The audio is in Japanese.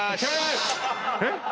えっ？